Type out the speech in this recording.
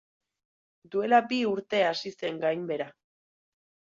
Duela bi urte hasi zen gainbehera.